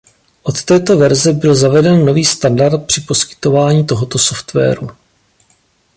Od této verze byl zaveden nový standard při poskytování tohoto softwaru.